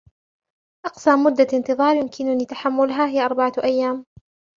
أقصى مدة انتظار يمكنني تحملها هي أربعة أيام.